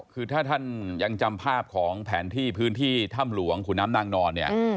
คือถ้าท่านยังจำภาพของแผนที่พื้นที่ถ้ำหลวงขุนน้ำนางนอนเนี่ย